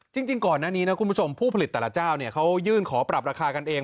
จริงก่อนหน้านี้นะคุณผู้ชมผู้ผลิตแต่ละเจ้าเนี่ยเขายื่นขอปรับราคากันเอง